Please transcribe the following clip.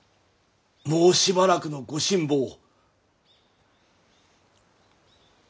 もうしばらくのご辛抱を。